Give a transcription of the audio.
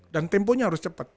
dan temponya harus cepet